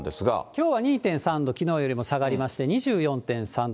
きょうは２．３度、きのうより下がりまして、２４．３度。